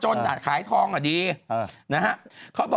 จนอาจขายท้องดีนะครับ